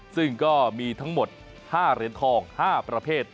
ซึ่งก็มีทั้งหมด๕เหรียญทอง๕ประเภท